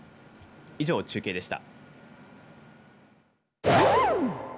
以上、中継でした。